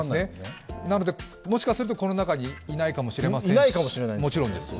なので、もしかするとこの中にいないかもしれませんし。